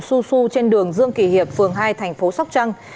xu xu trên đường dương kỳ hiệp phường hai thành phố sóc trăng